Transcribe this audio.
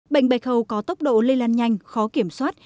bệnh bạch hầu có tốc độ lây lan nhanh khó kiểm soát